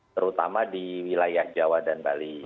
terutama di wilayah jawa dan bali